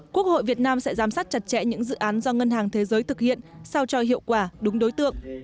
quốc hội việt nam sẽ giám sát chặt chẽ những dự án do ngân hàng thế giới thực hiện sao cho hiệu quả đúng đối tượng